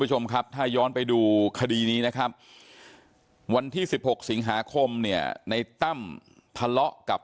น้องจ้อยนั่งก้มหน้าไม่มีใครรู้ข่าวว่าน้องจ้อยเสียชีวิตไปแล้ว